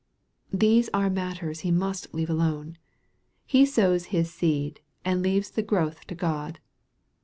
These are matters he must leave alone. He sows his seed, and leaves the growth to God.